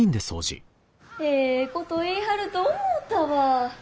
ええこと言いはると思うたわ。